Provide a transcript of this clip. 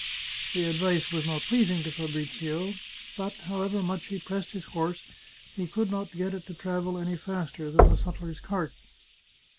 The advice was not pleasing to Fabrizio, but, however much he pressed his horse, he could not get it to travel any faster than the sutler's cart.